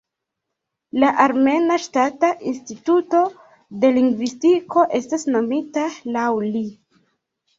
La armena Ŝtata Instituto de Lingvistiko estas nomita laŭ li.